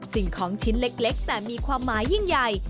สิ่งของชิ้นเล็กแต่มีความหมายยิ่งใหญ่